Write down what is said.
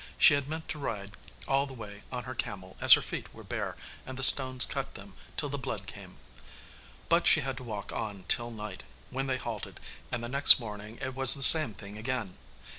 She had meant to ride all the way on her camel as her feet were bare and the stones cut them till the blood came. But she had to walk on till night, when they halted, and the next morning it was the same thing again.